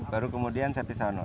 baru kemudian sapi sono